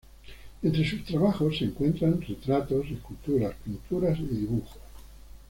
Entre sus trabajos se encuentran retratos, esculturas, pinturas y dibujos.